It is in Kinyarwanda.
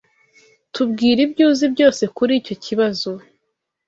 Tubwire ibyo uzi byose kuri icyo kibazo.